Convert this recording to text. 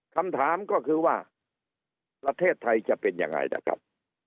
คำถามก็คือว่าประเทศไทยจะเป็นยังไงล่ะครับ